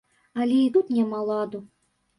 Але і тут няма ладу.